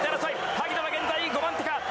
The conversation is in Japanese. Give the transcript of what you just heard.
萩野は現在５番手か。